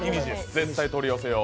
絶対取り寄せよう。